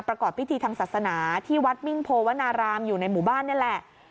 ประกอบพิธีทางศาสนาที่วัดมิ่งโพวนารามอยู่ในหมู่บ้านนี่แหละ